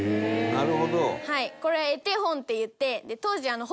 なるほど。